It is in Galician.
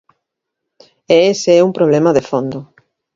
E ese é un problema de fondo.